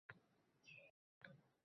Zamonaviy maktab direktori kim?